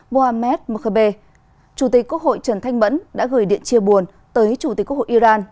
mohamed mokhebe chủ tịch quốc hội trần thanh mẫn đã gửi điện chi buồn tới chủ tịch quốc hội iran